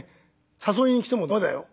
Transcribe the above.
誘いに来ても駄目だよ」。